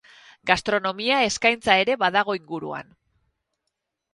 Gastronomia eskaintza ere badago inguruan.